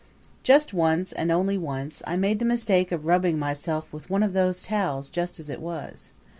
Just once and once only I made the mistake of rubbing myself with one of those towels just as it was.